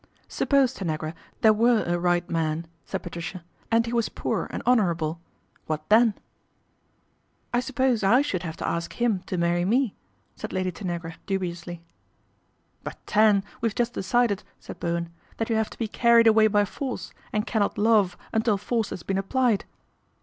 " Suppose, Tanagra, there were a right man," >aid Patricia, " and he was poor and honourable, tfhat then ?"" I suppose I should have to ask him to marry ne," said Lady Tanagra dubiously. " But, Tan, we've just decided," said Bowen, ' that you have to be carried away by force, and :annot love until force has been applied."